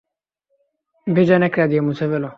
ভেজা ন্যাকড়া দিয়ে মুছে ফেলো।